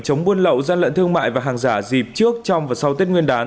chống buôn lậu gian lận thương mại và hàng giả dịp trước trong và sau tết nguyên đán